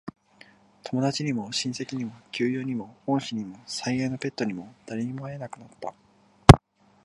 友達にも、親戚にも、旧友にも、恩師にも、最愛のペットにも、誰にも会えなくなった。